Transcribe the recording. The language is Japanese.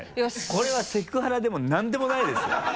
これはセクハラでも何でもないですよ